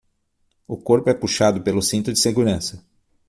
O corpo é puxado pelo cinto de segurança